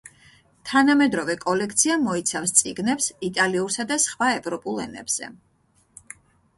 თანამედროვე კოლექცია მოიცავს წიგნებს იტალიურსა და სხვა ევროპულ ენებზე.